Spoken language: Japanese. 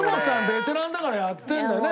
ベテランだからやってるんだよね？